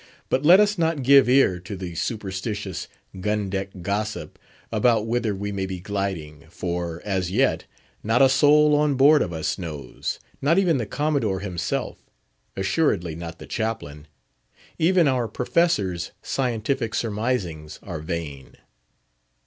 But let us not give ear to the superstitious, gun deck gossip about whither we may be gliding, for, as yet, not a soul on board of us knows—not even the Commodore himself; assuredly not the Chaplain; even our Professor's scientific surmisings are vain.